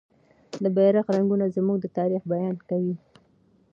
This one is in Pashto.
د بیرغ رنګونه زموږ د تاریخ بیان کوي.